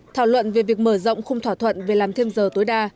thảo luận về việc mở rộng khung thỏa thuận về làm thêm giờ tối đa